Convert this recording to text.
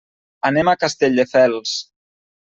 Anem a Castelldefels.